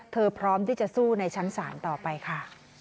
พร้อมที่จะสู้ในชั้นศาลต่อไปค่ะ